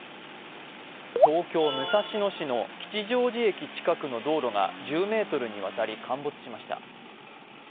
東京・武蔵野市の吉祥寺駅近くの道路が１０ｍにわたり陥没しました。